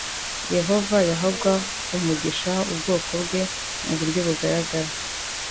Yehova yahaga umugisha ubwoko bwe mu buryo bugaragara